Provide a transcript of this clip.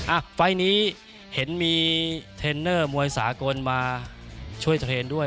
ไฟล์นี้เห็นมีเทรนเนอร์มวยสากลมาช่วยเทรนด์ด้วย